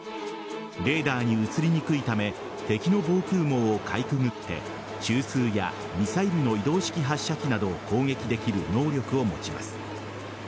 レーダーに映りにくいため敵の防空網をかいくぐって中枢やミサイルの移動式発射機などを攻撃できる能力を持ちます。